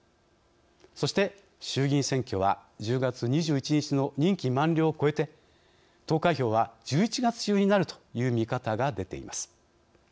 そして衆議院選挙は１０月２１日の任期満了を越えて投開票は１１月中になるという見方が出ています。